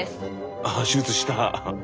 あ手術した！